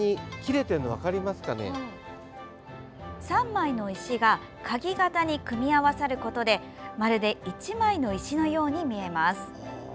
３枚の石がかぎ型に組み合わさることでまるで１枚の石のように見えます。